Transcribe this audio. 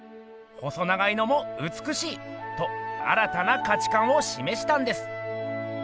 「細長いのもうつくしい！」と新たな価値観をしめしたんです。